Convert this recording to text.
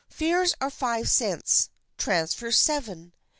Fares are five cents, transfers seven.